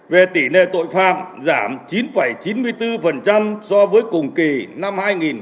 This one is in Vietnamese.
về tỉ nệ tội phạm giảm chín chín mươi bốn so với cùng kỳ năm hai nghìn hai mươi một